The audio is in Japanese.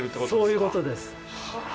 そういうことです。